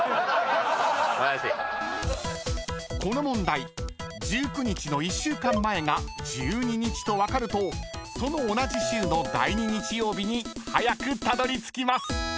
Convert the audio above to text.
［この問題１９日の１週間前が１２日と分かるとその同じ週の第２日曜日に早くたどりつきます］